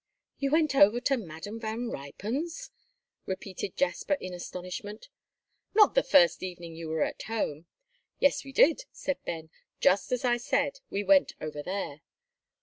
"You went over to Madam Van Ruypen's!" repeated Jasper in astonishment. "Not the first evening you were at home?" "Yes, we did," said Ben; "just as I said, we went over there."